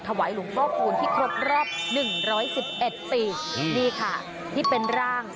ถวายหลวงพ่อคูณที่ครบรอบหนึ่งร้อยสิบเอ็ดปีนี่ค่ะที่เป็นร่าง